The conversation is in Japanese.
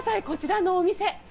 こちらのお店。